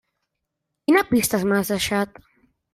Quina pista m'has deixat?